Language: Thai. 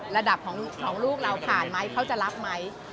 ระดับของลูกเราผ่านไหมเขาจะรับไหม